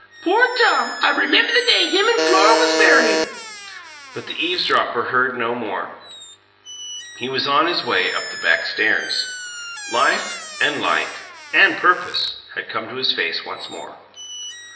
Poor Tom! I remember the day him an' Flora was married " But the eavesdropper heard no more; he was on his way up the back stairs. Life and light and purpose had come to his face once more.